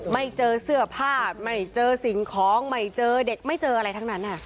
ไม่เจอเสื้อผ้าไม่เจอสิ่งของไม่เจอเด็กไม่เจออะไรทั้งนั้น